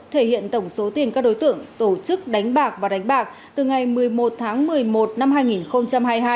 thể hiện tổng số tiền các đối tượng tổ chức đánh bạc và đánh bạc từ ngày một mươi một tháng một mươi một năm hai nghìn hai mươi hai